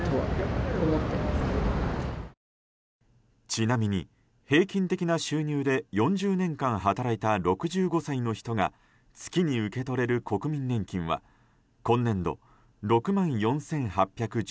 ちなみに、平均的な収入で４０年間働いた６５歳の人が月に受け取れる国民年金は今年度６万４８１６円。